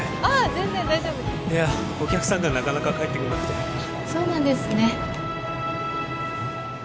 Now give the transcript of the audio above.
全然大丈夫ですお客さんがなかなか帰ってくんなくてそうなんですね